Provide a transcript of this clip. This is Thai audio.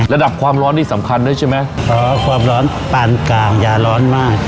ระดับความร้อนนี่สำคัญด้วยใช่ไหมอ๋อความร้อนปานกลางยาร้อนมาก